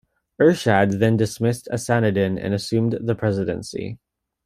Ershad then dismissed Ahsanuddin and assumed the presidency.